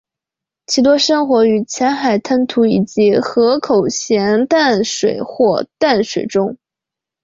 其多生活于浅海滩涂以及河口咸淡水或淡水中。